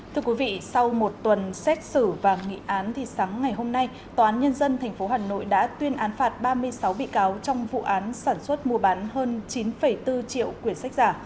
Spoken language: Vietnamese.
thưa quý vị sau một tuần xét xử và nghị án thì sáng ngày hôm nay tòa án nhân dân tp hà nội đã tuyên án phạt ba mươi sáu bị cáo trong vụ án sản xuất mua bán hơn chín bốn triệu quyển sách giả